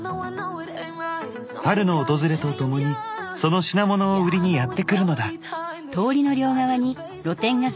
春の訪れとともにその品物を売りにやって来るのだ。